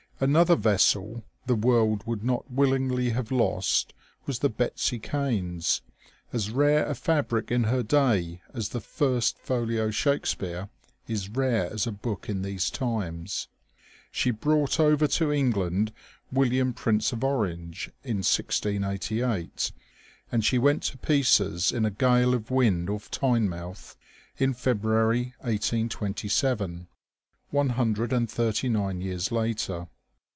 Another vessel the world would not willingly have lost was the Betsy Cains, as rare a fabric in her day as the ^' first folio Shake speare " is rare as a book in these times. She brought over to England William Prince of Orange, in 1688, and she went to pieces in a gale of wind off Tynemouth, in February, 1827, one hundred and thirty nine years later.